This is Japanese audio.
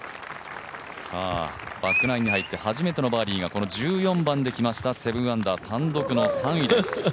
バックナインに入って初めてのバーディーこの１４番で来ました、７アンダー単独の３位です。